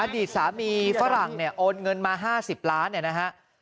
อดีตสามีฝรั่งเนี่ยโอนเงินมา๕๐ล้านเนี่ยนะฮะ